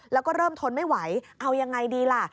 แล้วก็เริ่มทนไม่ไหวเอายังไงดีล่ะ